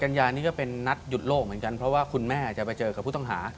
กัญญานี้ก็เป็นนัดหยุดโลกเหมือนกันเพราะว่าคุณแม่จะไปเจอกับผู้ต้องหา